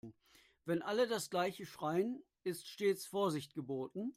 Wenn alle das gleiche schreien, ist stets Vorsicht geboten.